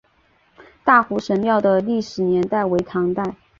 大湖神庙的历史年代为唐代。